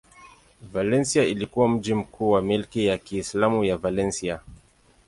Valencia ilikuwa mji mkuu wa milki ya Kiislamu ya Valencia.